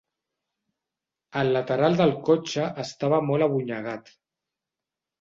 El lateral del cotxe estava molt abonyegat